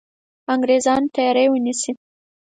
انګرېزانو تیاری ونیسي.